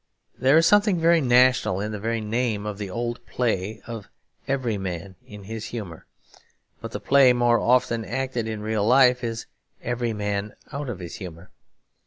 There is something very national in the very name of the old play of Every Man in His Humour. But the play more often acted in real life is 'Every Man Out of His Humour.'